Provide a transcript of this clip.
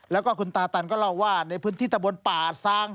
แล้วก็คุณตาตันก็เล่าว่าในพื้นที่ตะบนป่าซาง